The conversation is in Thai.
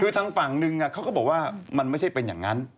คือทางฝั่งนึงเขาก็บอกว่ามันไม่ใช่เป็นอย่างนั้น